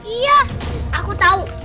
iya aku tau